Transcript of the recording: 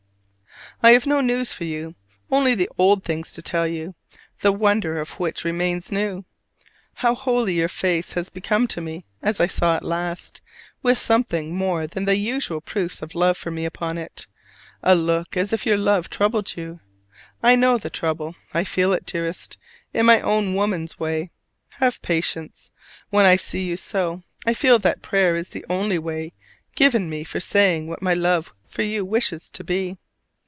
I have no news for you: only the old things to tell you, the wonder of which ever remains new. How holy your face has become to me: as I saw it last, with something more than the usual proofs of love for me upon it a look as if your love troubled you! I know the trouble: I feel it, dearest, in my own woman's way. Have patience. When I see you so, I feel that prayer is the only way given me for saying what my love for you wishes to be.